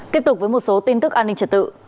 tiếp tục với một số tin tức an ninh trật tự